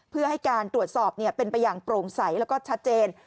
เพื่อให้การตรวจสอบเป็นไปอย่างโปร่งใสแล้วก็ชัดเจน